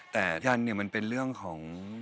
แต่ยันเนี่ยมันเป็นเรื่องของ